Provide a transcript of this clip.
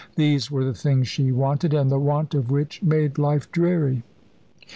These were the things she wanted, and the want of which made life dreary.